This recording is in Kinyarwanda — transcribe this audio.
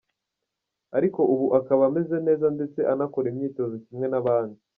Ariko ubu akaba ameze neza ndetse anakora imyitozo kimwe n’abandi.